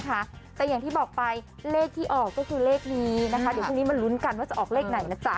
แต่อย่างที่บอกไปเลขที่ออกก็คือเลขนี้นะคะเดี๋ยวพรุ่งนี้มาลุ้นกันว่าจะออกเลขไหนนะจ๊ะ